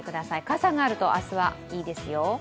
傘があると明日はいいですよ。